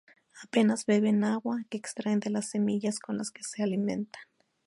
Apenas beben agua, que extraen de las semillas con las que se alimentan.